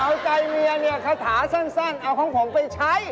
เอาใจเมียเนี่ยคาถาสั้นเอาของผมไปใช้